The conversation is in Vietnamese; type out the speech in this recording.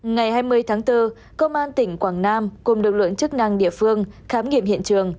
ngày hai mươi tháng bốn công an tỉnh quảng nam cùng lực lượng chức năng địa phương khám nghiệm hiện trường